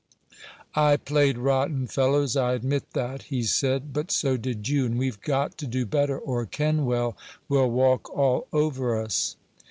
"I played rotten, fellows, I admit that," he said, "but so did you, and we've got to do better or Kenwell will walk all over us."